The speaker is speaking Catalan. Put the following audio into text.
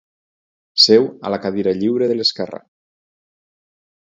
Seu a la cadira lliure de l'esquerra.